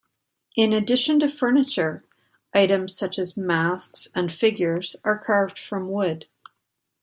In addition to furniture, items such as masks and figures are carved from wood.